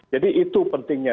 jadi itu pentingnya